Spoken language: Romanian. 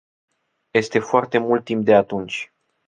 Este foarte mult timp de atunci.